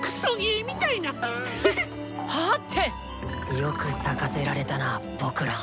よく咲かせられたな僕ら。